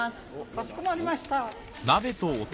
かしこまりました。